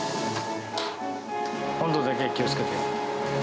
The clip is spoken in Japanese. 温度だけは気をつけて。